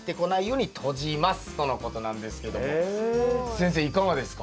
先生いかがですか？